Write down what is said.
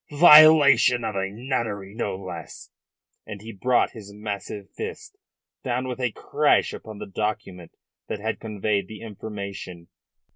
Violation of a nunnery, no less." And he brought his massive fist down with a crash upon the document that had conveyed the information.